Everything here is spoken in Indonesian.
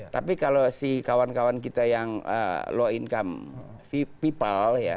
tapi kalau si kawan kawan kita yang low income people ya